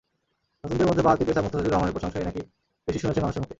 নতুনদের মধ্যে বাঁহাতি পেসার মুস্তাফিজুর রহমানের প্রশংসাই নাকি বেশি শুনেছেন মানুষের মুখে।